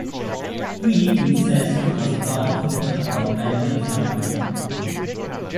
Twin incest was a common feature of Balinese mythology.